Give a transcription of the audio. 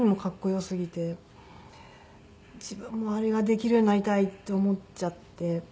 自分もあれができるようになりたいって思っちゃって。